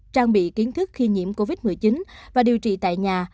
trang bị kiến thức khi nhiễm covid một mươi chín và điều trị tại nhà